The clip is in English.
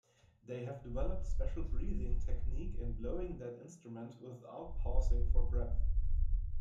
They have developed special breathing technique in blowing that instrument without pausing for breath.